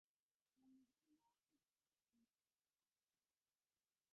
তিনি পূর্ব তিব্বতের ভারপ্রাপ্ত আধিকারিকের দায়িত্ব পালন করেন।